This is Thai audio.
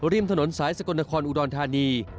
ริมถนนสายสกลนครอุดรธานี